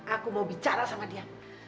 aku mau bicara sama dia